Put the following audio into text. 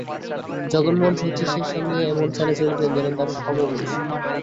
জগমোহন শচীশের সঙ্গে এমন চালে চলিতেন যেন সে তাঁর সমবয়সী।